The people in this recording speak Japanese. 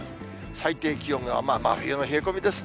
最低気温が真冬の冷え込みですね。